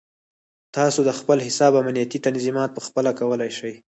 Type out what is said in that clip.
تاسو د خپل حساب امنیتي تنظیمات پخپله کولی شئ.